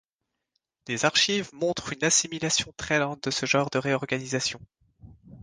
Les archives montrent une assimilation très lente de ce genre de réorganisation.